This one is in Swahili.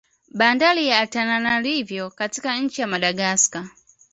Bandari ya Antananarivo katika nchi ya Madagascar